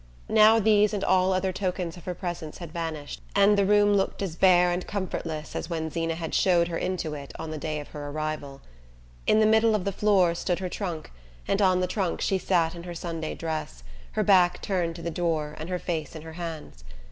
Now these and all other tokens of her presence had vanished, and the room looked as bare and comfortless as when Zeena had shown her into it on the day of her arrival. In the middle of the floor stood her trunk, and on the trunk she sat in her Sunday dress, her back turned to the door and her face in her hands.